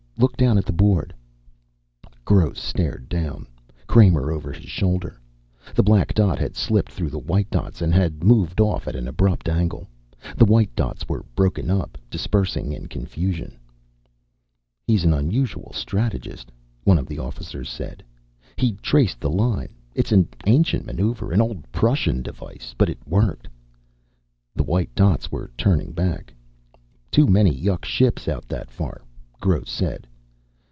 Look down at the board." Gross stared down, Kramer over his shoulder. The black dot had slipped through the white dots and had moved off at an abrupt angle. The white dots were broken up, dispersing in confusion. "He's an unusual strategist," one of the officers said. He traced the line. "It's an ancient maneuver, an old Prussian device, but it worked." The white dots were turning back. "Too many yuk ships out that far," Gross said.